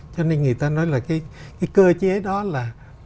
cho nên người ta nói là cái cơ chế đó là